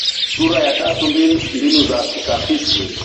Sura ya tatu mbinu za utafiti